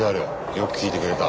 よく聞いてくれた。